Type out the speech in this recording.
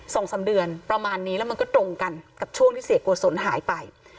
สองสามเดือนประมาณนี้แล้วมันก็ตรงกันกับช่วงที่เสียโกศลหายไป